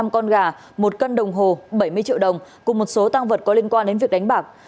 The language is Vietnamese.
năm con gà một cân đồng hồ bảy mươi triệu đồng cùng một số tăng vật có liên quan đến việc đánh bạc